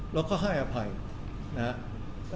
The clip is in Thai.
เราก็ให้อภัยนะฮะ